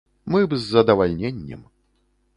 Мы б з задавальненнем.